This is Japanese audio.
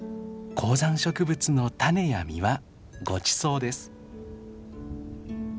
高山植物の種や実はごちそうです。